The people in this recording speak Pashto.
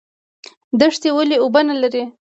دښتې ولې اوبه نلري؟